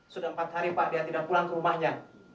sudah empat hari pak dia tidak pulang ke rumahnya